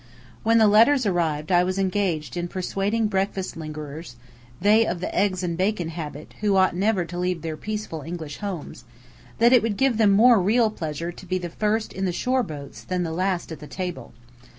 When the letters arrived I was engaged in persuading breakfast lingerers (they of the eggs and bacon habit, who ought never to leave their peaceful English homes) that it would give them more real pleasure to be first in the shore boats than last at the table.